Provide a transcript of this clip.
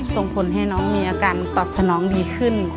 ส่งผลให้น้องมีอาการตอบสนองดีขึ้น